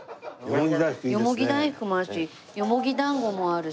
よもぎ大福もあるしよもぎだんごもあるし。